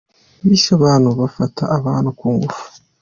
Bishe abantu, bafata abantu ku ngufu.